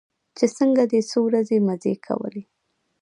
چې څنگه دې څو ورځې مزې کولې.